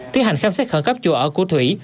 thiết hành khám xét khẩn cấp chùa ở cô thủy